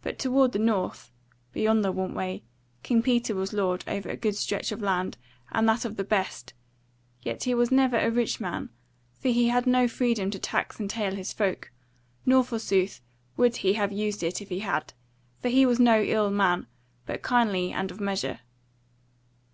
But toward the north beyond the Want way King Peter was lord over a good stretch of land, and that of the best; yet was he never a rich man, for he had no freedom to tax and tail his folk, nor forsooth would he have used it if he had; for he was no ill man, but kindly and of measure.